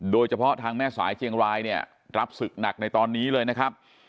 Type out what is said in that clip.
โดยเฉพาะทางแม่สายเชียงรายเนี่ยรับศึกหนักในตอนนี้เลยนะครับ